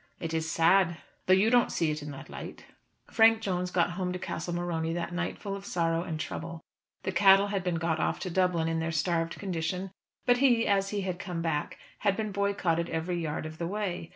It is sad, though you don't see it in that light." Frank Jones got home to Castle Morony that night full of sorrow and trouble. The cattle had been got off to Dublin in their starved condition, but he, as he had come back, had been boycotted every yard of the way.